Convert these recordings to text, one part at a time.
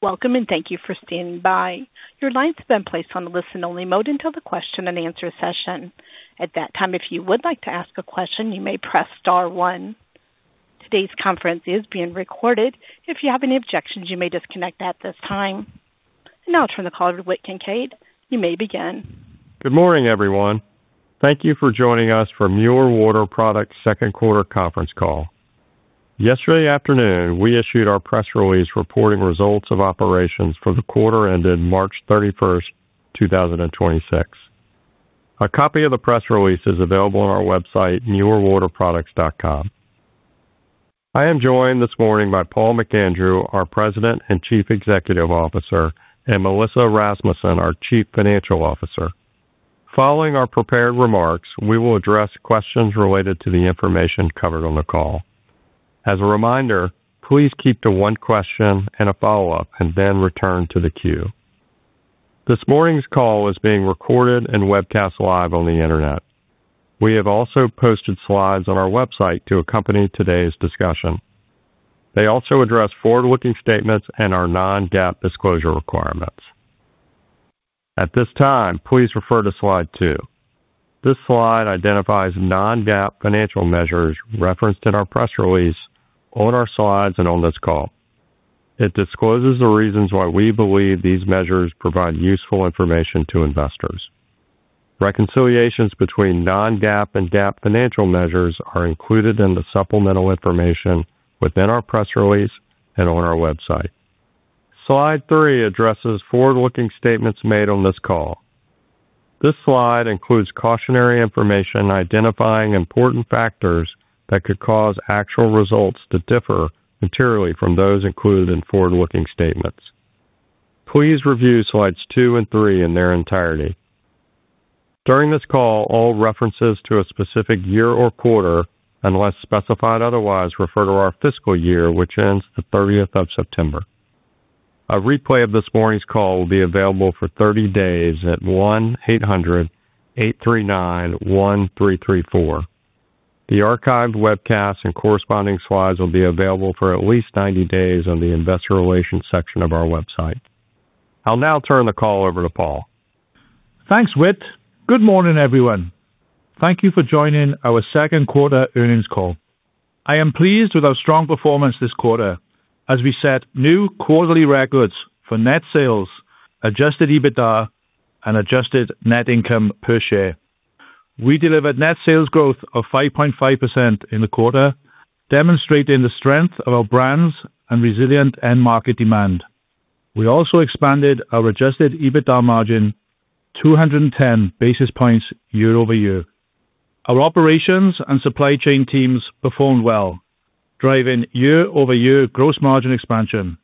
Welcome and thank you for standing by. Your line has been placed on a listen-only mode until the question-and-answer session. At that time, if you would like to ask a question, you may press star one. Today's conference is being recorded. If you have any objections, you may disconnect at this time. Now I'll turn the call over to Whit Kincaid. You may begin. Good morning, everyone. Thank you for joining us for Mueller Water Products Second Quarter Conference Call. Yesterday afternoon, we issued our press release reporting results of operations for the quarter ended March 31st, 2026. A copy of the press release is available on our website, muellerwaterproducts.com. I am joined this morning by Paul McAndrew, our President and Chief Executive Officer, and Melissa Rasmussen, our Chief Financial Officer. Following our prepared remarks, we will address questions related to the information covered on the call. As a reminder, please keep to one question and a follow-up, and then return to the queue. This morning's call is being recorded and webcast live on the Internet. We have also posted slides on our website to accompany today's discussion. They also address forward-looking statements and our non-GAAP disclosure requirements. At this time, please refer to slide two. This slide identifies non-GAAP financial measures referenced in our press release, on our slides, and on this call. It discloses the reasons why we believe these measures provide useful information to investors. Reconciliations between non-GAAP and GAAP financial measures are included in the supplemental information within our press release and on our website. Slide three addresses forward-looking statements made on this call. This slide includes cautionary information identifying important factors that could cause actual results to differ materially from those included in forward-looking statements. Please review slides two and three in their entirety. During this call, all references to a specific year or quarter, unless specified otherwise, refer to our fiscal year, which ends the 30th of September. A replay of this morning's call will be available for 30 days at 1-800-839-1334. The archived webcast and corresponding slides will be available for at least 90 days on the investor relations section of our website. I'll now turn the call over to Paul. Thanks, Whit. Good morning, everyone. Thank you for joining our second quarter earnings call. I am pleased with our strong performance this quarter as we set new quarterly records for net sales, adjusted EBITDA, and adjusted net income per share. We delivered net sales growth of 5.5% in the quarter, demonstrating the strength of our brands and resilient end market demand. We also expanded our adjusted EBITDA margin 210 basis points year-over-year. Our operations and supply chain teams performed well, driving year-over-year gross margin expansion.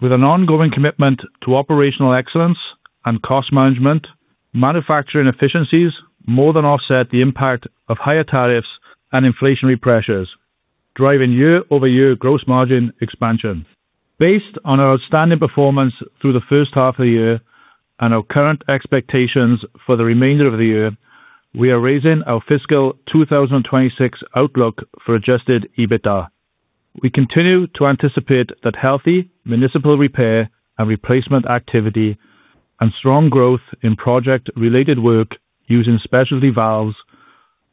With an ongoing commitment to operational excellence and cost management, manufacturing efficiencies more than offset the impact of higher tariffs and inflationary pressures, driving year-over-year gross margin expansion. Based on our outstanding performance through the first half of the year and our current expectations for the remainder of the year, we are raising our fiscal 2026 outlook for adjusted EBITDA. We continue to anticipate that healthy municipal repair and replacement activity and strong growth in project-related work using specialty valves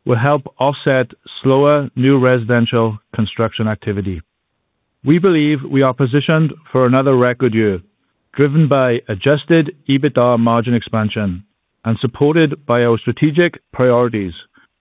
will help offset slower new residential construction activity. We believe we are positioned for another record year, driven by adjusted EBITDA margin expansion and supported by our strategic priorities,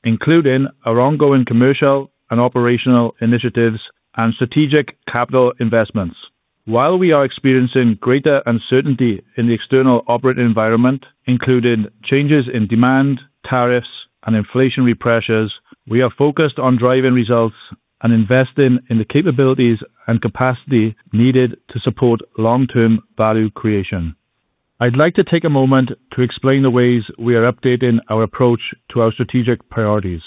including our ongoing commercial and operational initiatives and strategic capital investments. While we are experiencing greater uncertainty in the external operating environment, including changes in demand, tariffs, and inflationary pressures, we are focused on driving results and investing in the capabilities and capacity needed to support long-term value creation. I'd like to take a moment to explain the ways we are updating our approach to our strategic priorities.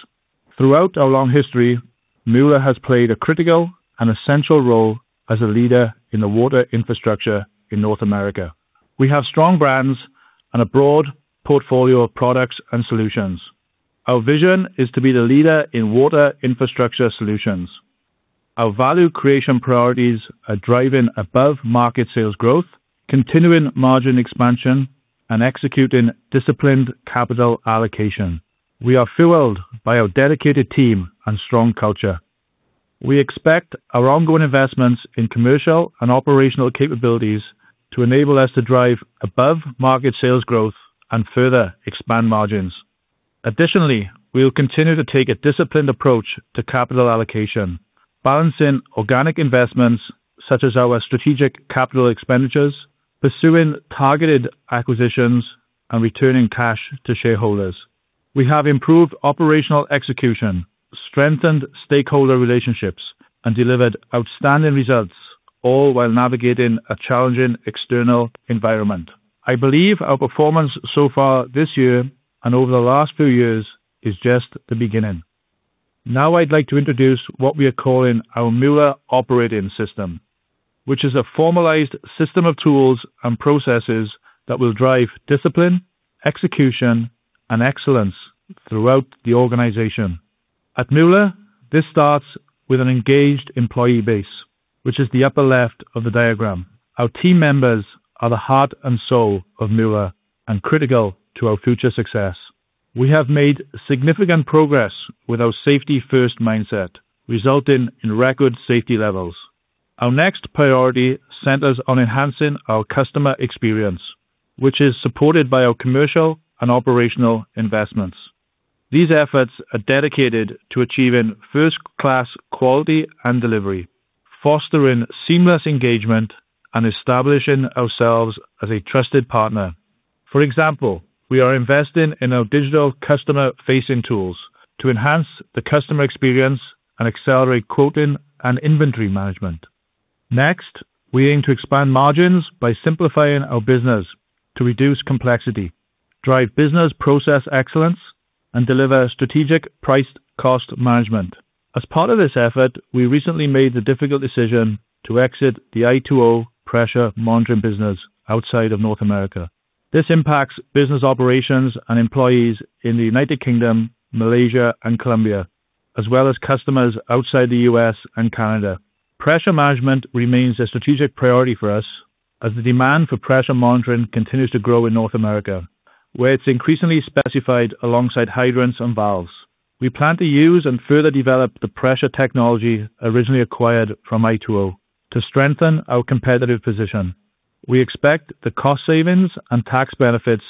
Throughout our long history, Mueller has played a critical and essential role as a leader in the water infrastructure in North America. We have strong brands and a broad portfolio of products and solutions. Our vision is to be the leader in water infrastructure solutions. Our value creation priorities are driving above-market sales growth, continuing margin expansion, and executing disciplined capital allocation. We are fueled by our dedicated team and strong culture. We expect our ongoing investments in commercial and operational capabilities to enable us to drive above-market sales growth and further expand margins. Additionally, we will continue to take a disciplined approach to capital allocation, balancing organic investments such as our strategic capital expenditures, pursuing targeted acquisitions, and returning cash to shareholders. We have improved operational execution, strengthened stakeholder relationships, and delivered outstanding results, all while navigating a challenging external environment. I believe our performance so far this year and over the last few years is just the beginning. Now I'd like to introduce what we are calling our Mueller operating system, which is a formalized system of tools and processes that will drive discipline, execution, and excellence throughout the organization. At Mueller, this starts with an engaged employee base, which is the upper left of the diagram. Our team members are the heart and soul of Mueller and critical to our future success. We have made significant progress with our safety-first mindset, resulting in record safety levels. Our next priority centers on enhancing our customer experience, which is supported by our commercial and operational investments. These efforts are dedicated to achieving first-class quality and delivery, fostering seamless engagement, and establishing ourselves as a trusted partner. For example, we are investing in our digital customer-facing tools to enhance the customer experience and accelerate quoting and inventory management. Next, we aim to expand margins by simplifying our business to reduce complexity, drive business process excellence, and deliver strategic price cost management. As part of this effort, we recently made the difficult decision to exit the i2O pressure monitoring business outside of North America. This impacts business operations and employees in the United Kingdom, Malaysia and Colombia, as well as customers outside the U.S. and Canada. Pressure management remains a strategic priority for us as the demand for pressure monitoring continues to grow in North America, where it's increasingly specified alongside hydrants and valves. We plan to use and further develop the pressure technology originally acquired from i2O to strengthen our competitive position. We expect the cost savings and tax benefits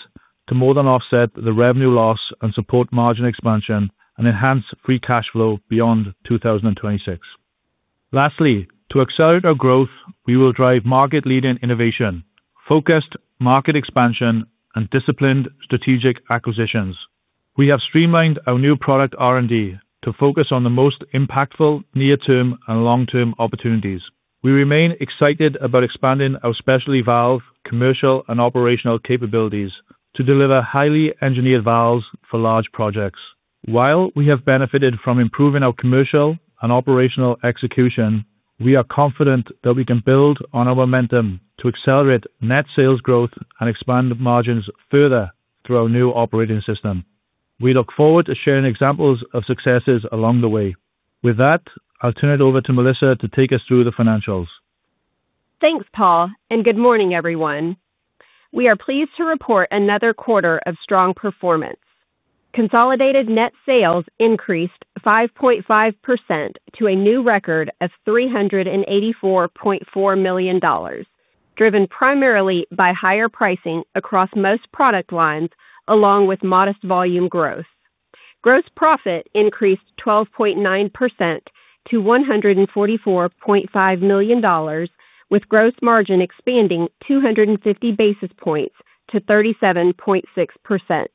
to more than offset the revenue loss and support margin expansion and enhance free cash flow beyond 2026. Lastly, to accelerate our growth, we will drive market-leading innovation, focused market expansion, and disciplined strategic acquisitions. We have streamlined our new product R&D to focus on the most impactful near-term and long-term opportunities. We remain excited about expanding our specialty valve commercial and operational capabilities to deliver highly engineered valves for large projects. While we have benefited from improving our commercial and operational execution, we are confident that we can build on our momentum to accelerate net sales growth and expand margins further through our new Mueller operating system. We look forward to sharing examples of successes along the way. With that, I'll turn it over to Melissa to take us through the financials. Thanks, Paul, and good morning, everyone. We are pleased to report another quarter of strong performance. Consolidated net sales increased 5.5% to a new record of $384.4 million, driven primarily by higher pricing across most product lines along with modest volume growth. Gross profit increased 12.9% to $144.5 million, with gross margin expanding 250 basis points to 37.6%.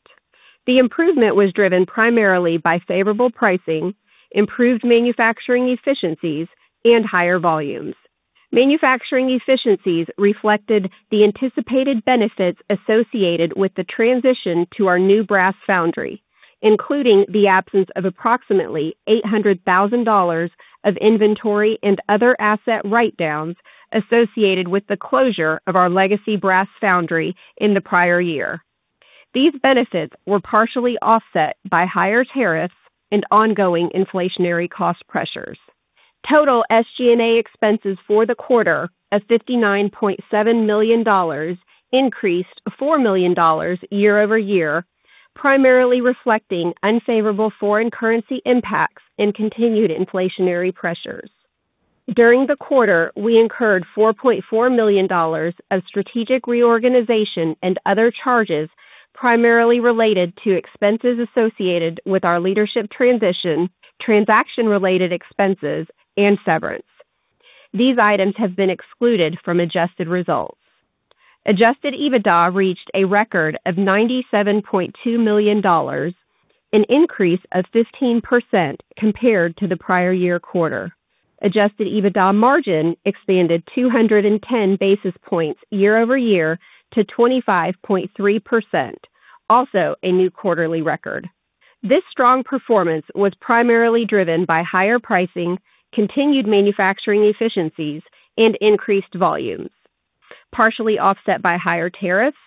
The improvement was driven primarily by favorable pricing, improved manufacturing efficiencies, and higher volumes. Manufacturing efficiencies reflected the anticipated benefits associated with the transition to our new brass foundry, including the absence of approximately $800,000 of inventory and other asset write-downs associated with the closure of our legacy brass foundry in the prior year. These benefits were partially offset by higher tariffs and ongoing inflationary cost pressures. Total SG&A expenses for the quarter of $59.7 million increased $4 million year-over-year, primarily reflecting unfavorable foreign currency impacts and continued inflationary pressures. During the quarter, we incurred $4.4 million of strategic reorganization and other charges primarily related to expenses associated with our leadership transition, transaction-related expenses, and severance. These items have been excluded from adjusted results. Adjusted EBITDA reached a record of $97.2 million, an increase of 15% compared to the prior year quarter. Adjusted EBITDA margin expanded 210 basis points year-over-year to 25.3%, also a new quarterly record. This strong performance was primarily driven by higher pricing, continued manufacturing efficiencies, and increased volumes, partially offset by higher tariffs,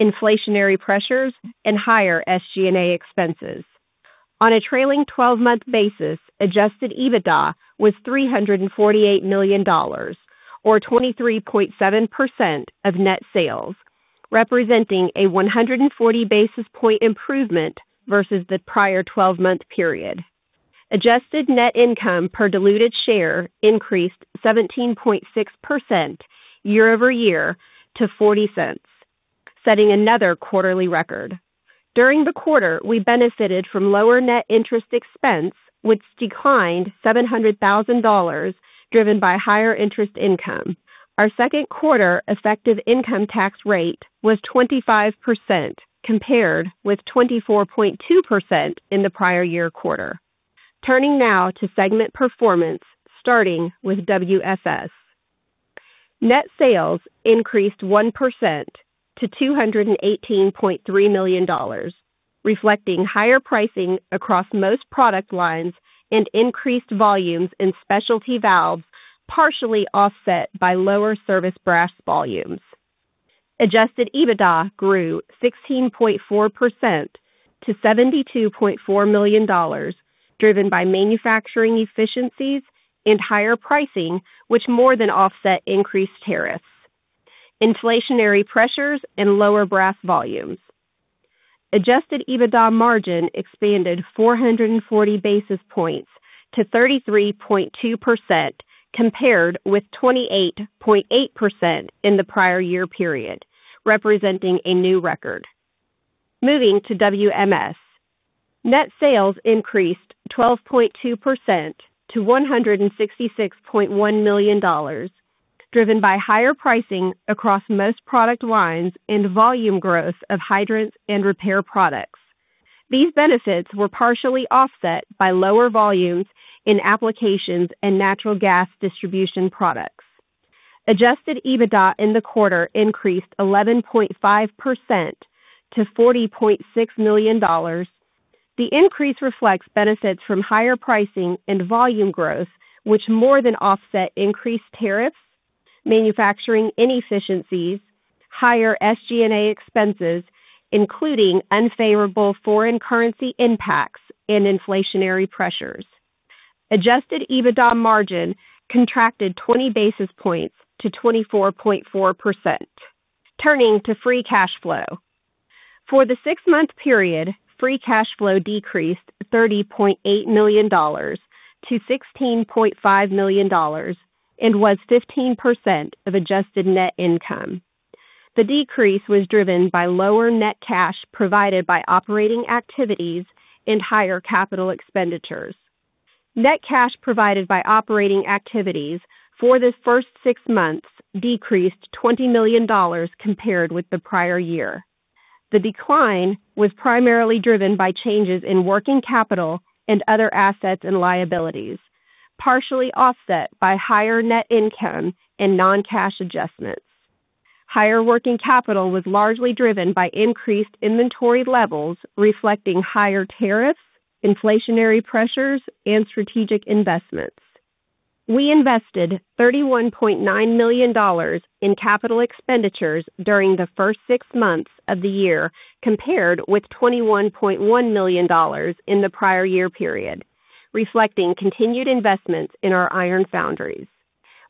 inflationary pressures, and higher SG&A expenses. On a trailing 12-month basis, adjusted EBITDA was $348 million or 23.7% of net sales, representing a 140 basis point improvement versus the prior 12-month period. Adjusted net income per diluted share increased 17.6% year-over-year to $0.40, setting another quarterly record. During the quarter, we benefited from lower net interest expense, which declined $700,000 driven by higher interest income. Our second quarter effective income tax rate was 25%, compared with 24.2% in the prior year quarter. Turning now to segment performance, starting with WFS. Net sales increased 1% to $218.3 million, reflecting higher pricing across most product lines and increased volumes in specialty valves, partially offset by lower service brass volumes. Adjusted EBITDA grew 16.4% to $72.4 million, driven by manufacturing efficiencies and higher pricing, which more than offset increased tariffs, inflationary pressures and lower brass volumes. Adjusted EBITDA margin expanded 440 basis points to 33.2% compared with 28.8% in the prior year period, representing a new record. Moving to WMS. Net sales increased 12.2% to $166.1 million, driven by higher pricing across most product lines and volume growth of hydrants and repair products. These benefits were partially offset by lower volumes in applications and natural gas distribution products. Adjusted EBITDA in the quarter increased 11.5% to $40.6 million. The increase reflects benefits from higher pricing and volume growth, which more than offset increased tariffs, manufacturing inefficiencies, higher SG&A expenses, including unfavorable foreign currency impacts and inflationary pressures. Adjusted EBITDA margin contracted 20 basis points to 24.4%. Turning to free cash flow. For the 6-month period, free cash flow decreased $30.8 million to $16.5 million and was 15% of adjusted net income. The decrease was driven by lower net cash provided by operating activities and higher capital expenditures. Net cash provided by operating activities for the first 6 months decreased $20 million compared with the prior year. The decline was primarily driven by changes in working capital and other assets and liabilities, partially offset by higher net income and non-cash adjustments. Higher working capital was largely driven by increased inventory levels, reflecting higher tariffs, inflationary pressures and strategic investments. We invested $31.9 million in capital expenditures during the first 6 months of the year, compared with $21.1 million in the prior year period, reflecting continued investments in our iron foundries.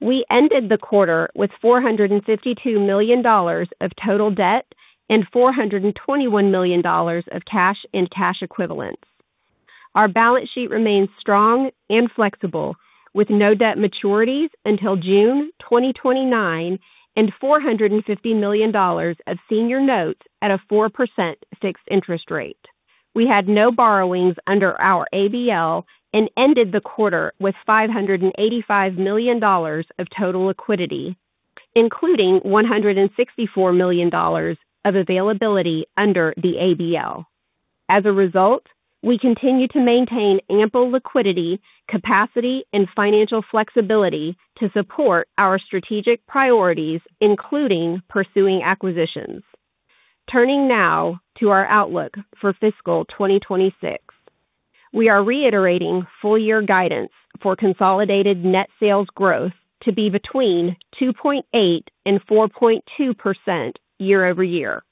We ended the quarter with $452 million of total debt and $421 million of cash and cash equivalents. Our balance sheet remains strong and flexible, with no debt maturities until June 2029 and $450 million of senior notes at a 4% fixed interest rate. We had no borrowings under our ABL and ended the quarter with $585 million of total liquidity, including $164 million of availability under the ABL. As a result, we continue to maintain ample liquidity, capacity and financial flexibility to support our strategic priorities, including pursuing acquisitions. Turning now to our outlook for fiscal 2026. We are reiterating full year guidance for consolidated net sales growth to be between 2.8% and 4.2% year-over-year,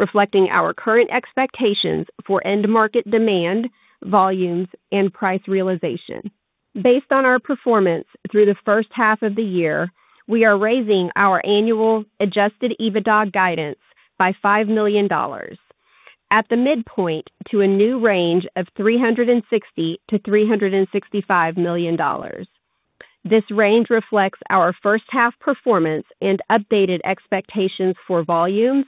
reflecting our current expectations for end market demand, volumes and price realization. Based on our performance through the first half of the year, we are raising our annual adjusted EBITDA guidance by $5 million at the midpoint to a new range of $360 million-$365 million. This range reflects our first half performance and updated expectations for volumes,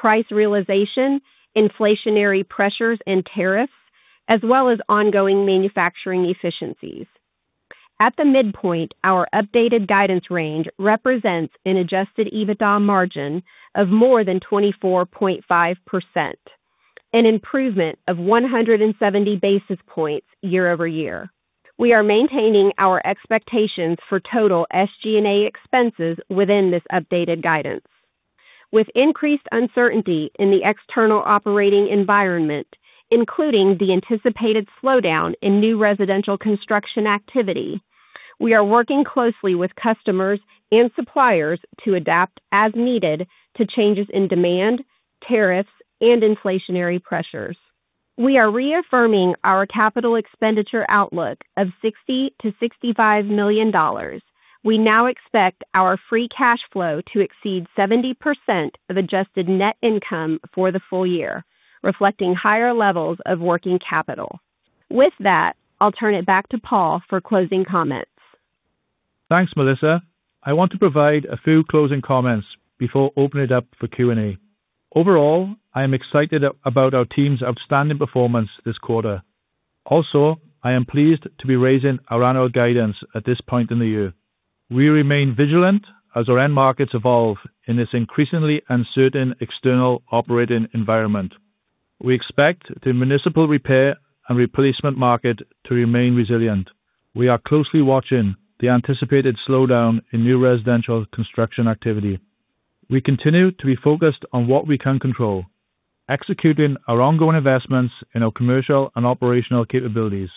price realization, inflationary pressures and tariffs, as well as ongoing manufacturing efficiencies. At the midpoint, our updated guidance range represents an adjusted EBITDA margin of more than 24.5%, an improvement of 170 basis points year-over-year. We are maintaining our expectations for total SG&A expenses within this updated guidance. With increased uncertainty in the external operating environment, including the anticipated slowdown in new residential construction activity, we are working closely with customers and suppliers to adapt as needed to changes in demand, tariffs and inflationary pressures. We are reaffirming our capital expenditure outlook of $60 million-$65 million. We now expect our free cash flow to exceed 70% of adjusted net income for the full year, reflecting higher levels of working capital. With that, I'll turn it back to Paul for closing comments. Thanks, Melissa. I want to provide a few closing comments before opening it up for Q&A. Overall, I am excited about our team's outstanding performance this quarter. I am pleased to be raising our annual guidance at this point in the year. We remain vigilant as our end markets evolve in this increasingly uncertain external operating environment. We expect the municipal repair and replacement market to remain resilient. We are closely watching the anticipated slowdown in new residential construction activity. We continue to be focused on what we can control, executing our ongoing investments in our commercial and operational capabilities.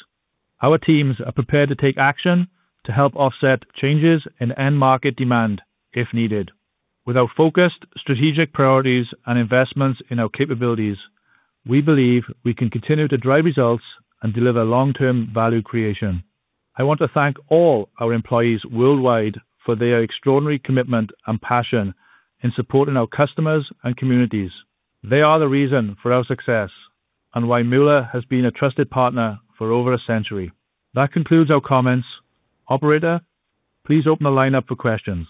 Our teams are prepared to take action to help offset changes in end market demand if needed. With our focused strategic priorities and investments in our capabilities, we believe we can continue to drive results and deliver long-term value creation. I want to thank all our employees worldwide for their extraordinary commitment and passion in supporting our customers and communities. They are the reason for our success and why Mueller has been a trusted partner for over a century. That concludes our comments. Operator, please open the line up for questions.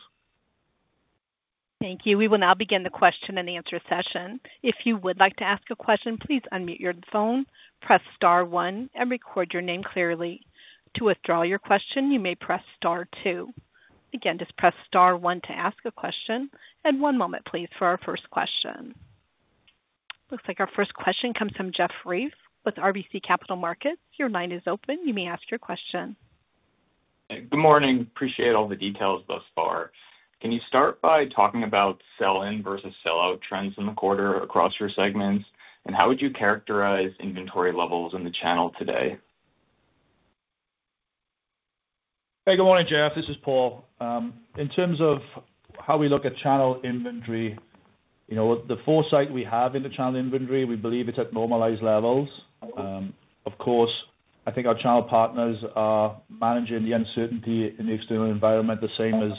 Thank you. We will now begin the question-and-answer session. If you would like to ask a question, please unmute your phone, press star one and record your name clearly. To withdraw your question, you may press star two. Again, just press star one to ask a question. One moment, please, for our first question. Looks like our first question comes from Jeffrey with RBC Capital Markets. Your line is open. You may ask your question. Good morning. Appreciate all the details thus far. Can you start by talking about sell in versus sell out trends in the quarter across your segments? How would you characterize inventory levels in the channel today? Hey, good morning, Jeff. This is Paul McAndrew. In terms of how we look at channel inventory, you know, the foresight we have in the channel inventory, we believe it's at normalized levels. Of course, I think our channel partners are managing the uncertainty in the external environment the same as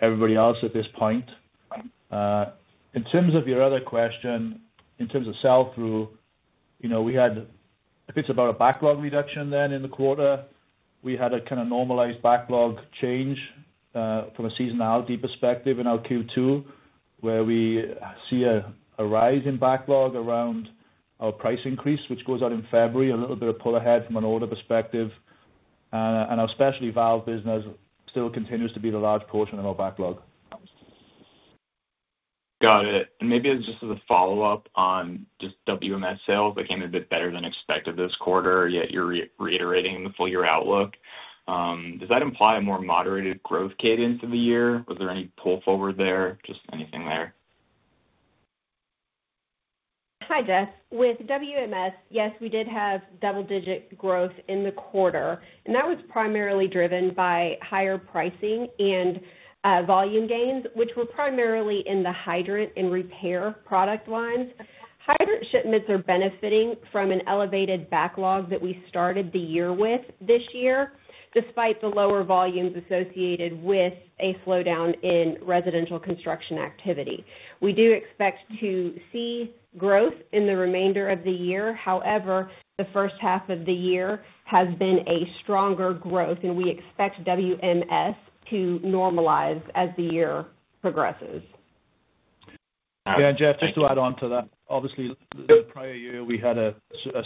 everybody else at this point. In terms of your other question, in terms of sell through, you know, we had a bit about a backlog reduction then in the quarter. We had a kind of normalized backlog change from a seasonality perspective in our Q2, where we see a rise in backlog around our price increase, which goes out in February. A little bit of pull ahead from an order perspective. Our specialty valve business still continues to be the large portion of our backlog. Got it. Maybe just as a follow-up on just WMS sales. They came a bit better than expected this quarter, yet you're reiterating the full year outlook. Does that imply a more moderated growth cadence of the year? Was there any pull forward there? Just anything there. Hi, Jeff. With WMS, yes, we did have double-digit growth in the quarter, and that was primarily driven by higher pricing and volume gains, which were primarily in the Hydrant and repair products. Hydrant shipments are benefiting from an elevated backlog that we started the year with this year, despite the lower volumes associated with a slowdown in residential construction activity. We do expect to see growth in the remainder of the year. However, the first half of the year has been a stronger growth, and we expect WMS to normalize as the year progresses. Got it. Thank you. Yeah, Deane, just to add on to that. Obviously, the prior year we had a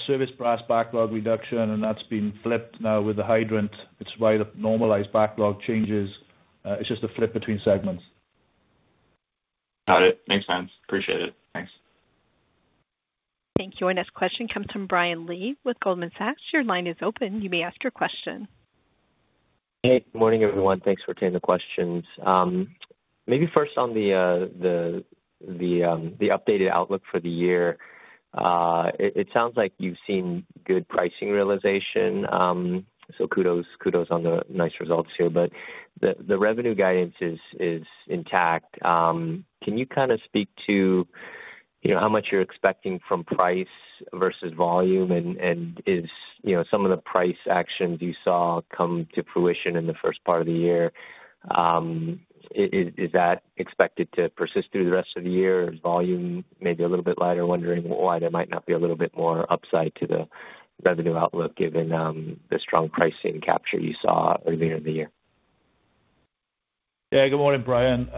service brass backlog reduction. That's been flipped now with the hydrant. It's why the normalized backlog changes. It's just a flip between segments. Got it. Makes sense. Appreciate it. Thanks. Thank you. Our next question comes from Brian Lee with Goldman Sachs. Hey. Good morning, everyone. Thanks for taking the questions. Maybe first on the updated outlook for the year. It sounds like you've seen good pricing realization. So kudos on the nice results here. The revenue guidance is intact. Can you kind of speak to, you know, how much you're expecting from price versus volume? Is, you know, some of the price actions you saw come to fruition in the first part of the year, is that expected to persist through the rest of the year? Is volume maybe a little bit lighter? Wondering why there might not be a little bit more upside to the revenue outlook given the strong pricing capture you saw earlier in the year. Yeah. Good morning, Brian.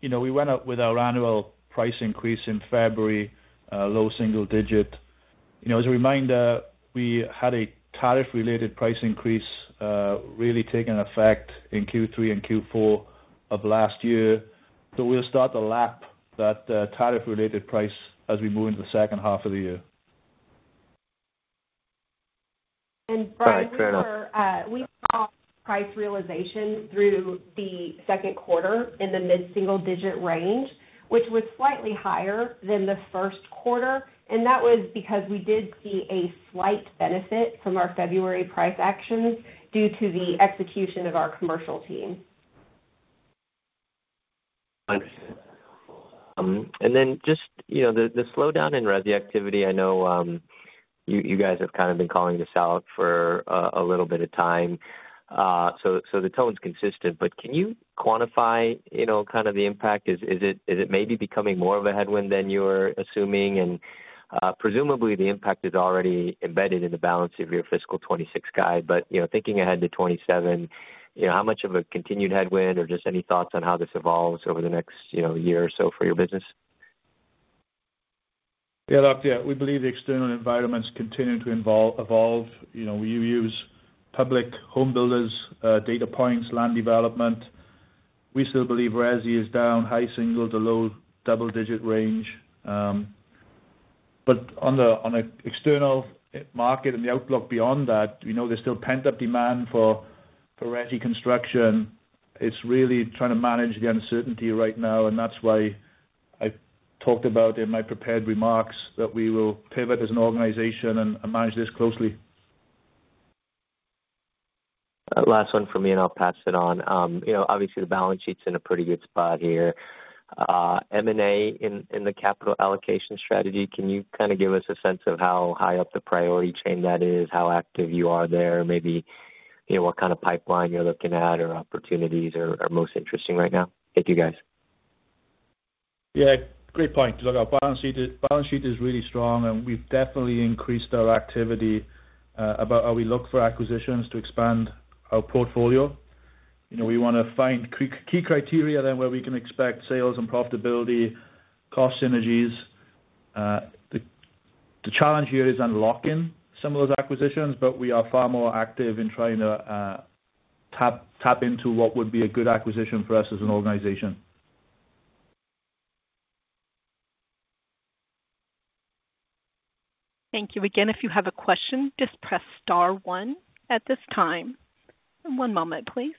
You know, we went up with our annual price increase in February, low single digit. You know, as a reminder, we had a tariff-related price increase, really taking effect in Q3 and Q4 of last year. We'll start to lap that tariff-related price as we move into the second half of the year. Brian, we were... All right. Fair enough. We saw price realization through the second quarter in the mid-single digit range, which was slightly higher than the first quarter, and that was because we did see a slight benefit from our February price actions due to the execution of our commercial team. Understood. Then just, you know, the slowdown in resi activity. I know, you guys have kind of been calling this out for a little bit of time. The tone's consistent. Can you quantify, you know, kind of the impact? Is it maybe becoming more of a headwind than you're assuming? Presumably the impact is already embedded in the balance of your fiscal 2026 guide. You know, thinking ahead to 2027, you know, how much of a continued headwind or just any thoughts on how this evolves over the next, you know, year or so for your business? We believe the external environments continue to evolve. You know, we use public home builders, data points, land development. We still believe resi is down high single to low double-digit range. On an external market and the outlook beyond that, we know there's still pent-up demand for resi construction. It's really trying to manage the uncertainty right now, and that's why I talked about in my prepared remarks that we will pivot as an organization and manage this closely. Last one from me, I'll pass it on. you know, obviously the balance sheet's in a pretty good spot here. M&A in the capital allocation strategy, can you kind of give us a sense of how high up the priority chain that is? How active you are there? Maybe, you know, what kind of pipeline you're looking at or opportunities are most interesting right now? Thank you, guys. Yeah, great point. Look, our balance sheet is really strong, and we've definitely increased our activity about how we look for acquisitions to expand our portfolio. You know, we wanna find key criteria then where we can expect sales and profitability, cost synergies. The challenge here is unlocking some of those acquisitions, but we are far more active in trying to tap into what would be a good acquisition for us as an organization. Thank you. Again, if you have a question, just press star one at this time. One moment, please.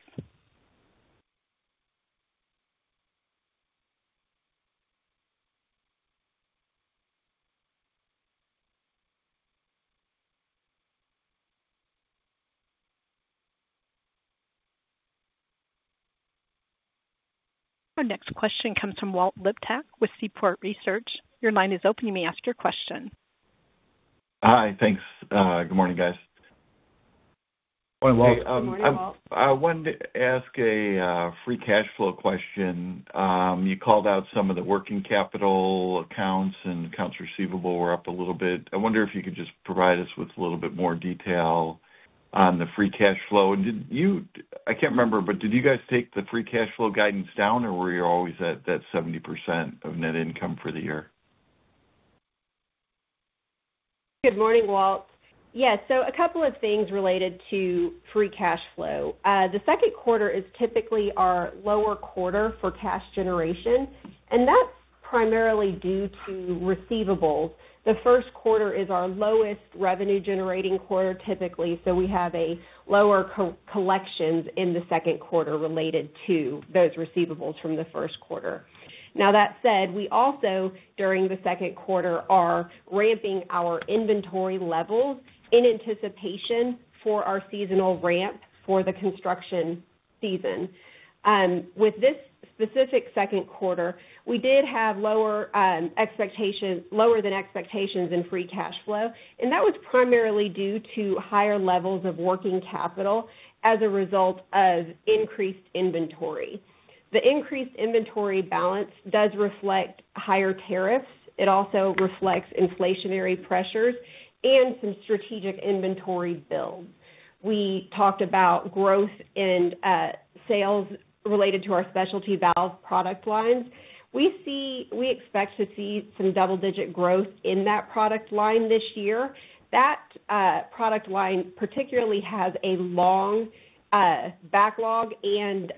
Our next question comes from Walter Liptak with Seaport Research. Your line is open. You may ask your question. Hi. Thanks. good morning, guys. Morning, Walt. Hey. Good morning, Walt. I wanted to ask a free cash flow question. You called out some of the working capital accounts and accounts receivable were up a little bit. I wonder if you could just provide us with a little bit more detail on the free cash flow. I can't remember, but did you guys take the free cash flow guidance down, or were you always at that 70% of net income for the year? Good morning, Walt. Yeah. A couple of things related to free cash flow. The second quarter is typically our lower quarter for cash generation, and that's primarily due to receivables. The first quarter is our lowest revenue-generating quarter typically, we have lower collections in the second quarter related to those receivables from the first quarter. Now that said, we also, during the second quarter, are ramping our inventory levels in anticipation for our seasonal ramp for the construction season. With this specific second quarter, we did have lower than expectations in free cash flow, that was primarily due to higher levels of working capital as a result of increased inventory. The increased inventory balance does reflect higher tariffs. It also reflects inflationary pressures and some strategic inventory builds. We talked about growth in sales related to our specialty valve product lines. We expect to see some double-digit growth in that product line this year. That product line particularly has a long backlog and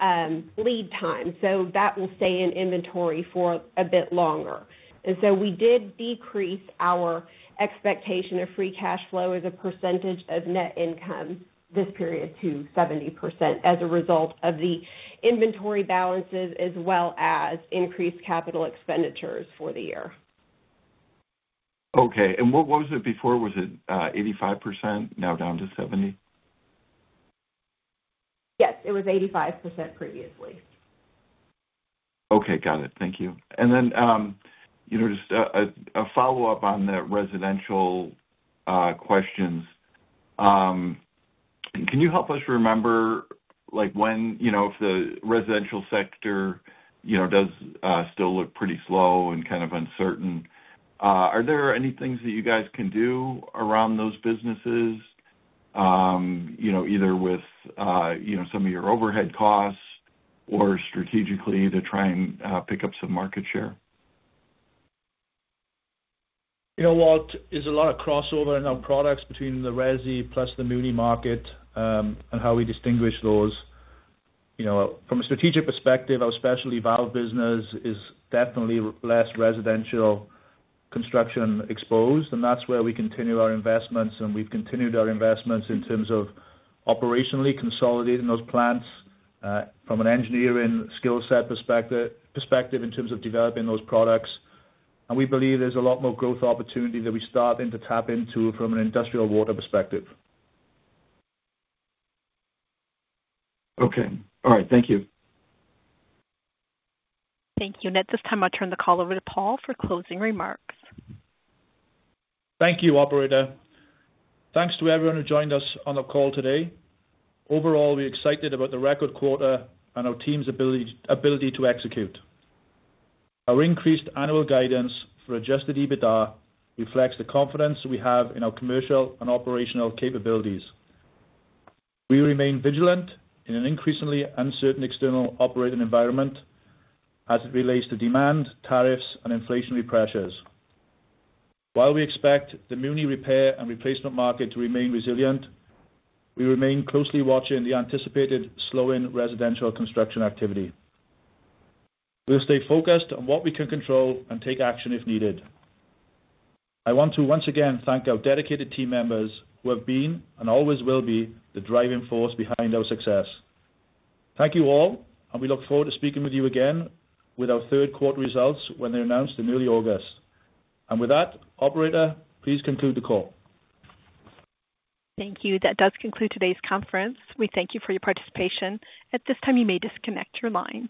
lead time. That will stay in inventory for a bit longer. We did decrease our expectation of free cash flow as a percentage of net income this period to 70% as a result of the inventory balances as well as increased capital expenditures for the year. Okay. What was it before? Was it 85% now down to 70%? Yes, it was 85% previously. Okay, got it. Thank you. Then, you know, just a follow-up on the residential questions. Can you help us remember, like, when You know, if the residential sector, you know, does still look pretty slow and kind of uncertain, are there any things that you guys can do around those businesses, you know, either with, you know, some of your overhead costs or strategically to try and pick up some market share? You know, Walt, there's a lot of crossover in our products between the resi plus the muni market, and how we distinguish those. You know, from a strategic perspective, our specialty valve business is definitely less residential construction exposed, and that's where we continue our investments, and we've continued our investments in terms of operationally consolidating those plants, from an engineering skill set perspective in terms of developing those products. We believe there's a lot more growth opportunity that we're starting to tap into from an industrial water perspective. Okay. All right. Thank you. Thank you. At this time, I'll turn the call over to Paul for closing remarks. Thank you, operator. Thanks to everyone who joined us on the call today. Overall, we're excited about the record quarter and our team's ability to execute. Our increased annual guidance for adjusted EBITDA reflects the confidence we have in our commercial and operational capabilities. We remain vigilant in an increasingly uncertain external operating environment as it relates to demand, tariffs, and inflationary pressures. While we expect the muni repair and replacement market to remain resilient, we remain closely watching the anticipated slow in residential construction activity. We'll stay focused on what we can control and take action if needed. I want to once again thank our dedicated team members who have been and always will be the driving force behind our success. Thank you all, and we look forward to speaking with you again with our third quarter results when they're announced in early August. With that, operator, please conclude the call. Thank you. That does conclude today's conference. We thank you for your participation. At this time, you may disconnect your lines.